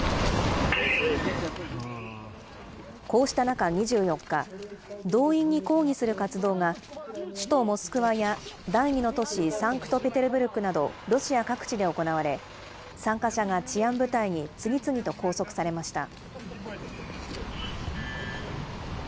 こうした中、２４日、動員に抗議する活動が、首都モスクワや、第２の都市サンクトペテルブルクなどロシア各地で行われ、参加者が治安部隊に次々と拘束されました。